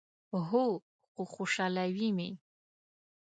هو، خو خوشحالوي می